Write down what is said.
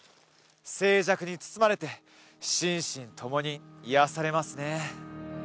静寂に包まれて心身共に癒やされますね